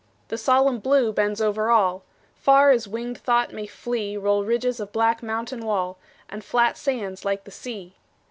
The solemn Blue bends over all; Far as winged thought may flee Roll ridges of black mountain wall, And flat sands like the sea.